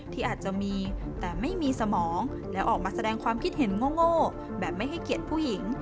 ที่อาจจะมีแต่ไม่มีสมองและออกมาแสดงความคิดเห็นโง่แบบไม่ให้เกียรติผู้หญิง